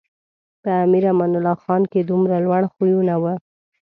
په امیر امان الله خان کې دومره لوړ خویونه و.